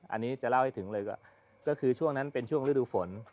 อันนี้จะเล่าให้ถึงเลยก็คือช่วงนั้นเป็นช่วงฤดูฝน